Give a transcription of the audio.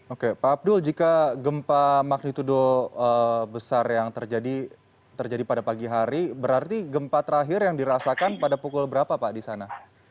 oke pak abdul jika gempa magnitudo besar yang terjadi pada pagi hari berarti gempa terakhir yang dirasakan pada pukul berapa pak di sana